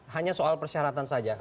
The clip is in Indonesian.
hanya soal persyaratan saja